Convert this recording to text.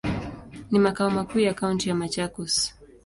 Ni makao makuu ya kaunti ya Machakos.